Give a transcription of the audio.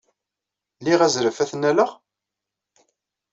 Liɣ azref ad t-nnaleɣ?